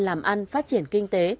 làm ăn phát triển kinh tế